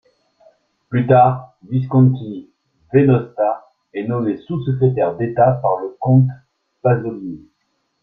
Plus tard, Visconti Venosta est nommé sous-secrétaire d’État par le comte Pasolini.